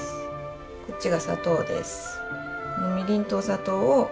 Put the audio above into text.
こっちが砂糖です。